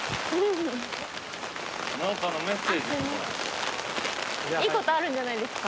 いいことあるんじゃないですか？